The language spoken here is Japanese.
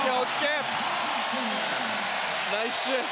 ナイスシュート！